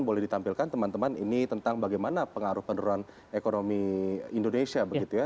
boleh ditampilkan teman teman ini tentang bagaimana pengaruh penurunan ekonomi indonesia begitu ya